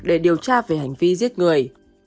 để điều tra về hành vi giết người